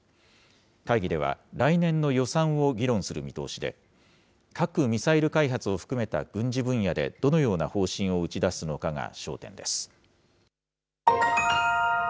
会議では、来年の予算を議論する見通しで、核・ミサイル開発を含めた軍事分野でどのような方針を打ち出すのかが焦点です。